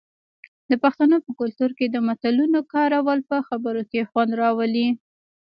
د پښتنو په کلتور کې د متلونو کارول په خبرو کې خوند راوړي.